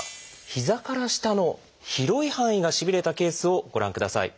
膝から下の広い範囲がしびれたケースをご覧ください。